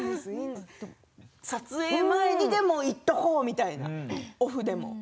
撮影前に行っておこうみたいなオフでも。